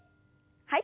はい。